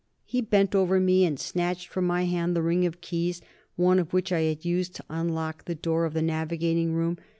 He bent over me and snatched from my hand the ring of keys, one of which I had used to unlock the door of the navigating room.